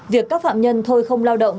việc các phạm nhân thôi không lao động